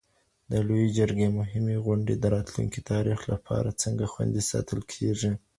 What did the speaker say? د لويي جرګې مهمي غونډي د راتلونکي تاریخ له پاره څنګه خوندي ساتل کېږي؟